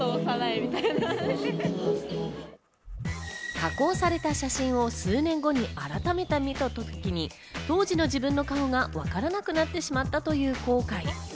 加工された写真を数年後に改めて見たときに当時の自分の顔がわからなくなってしまったという後悔。